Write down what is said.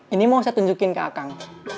ini mau saya tunjukin ke akan